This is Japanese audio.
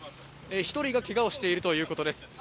１人がけがをしているということです。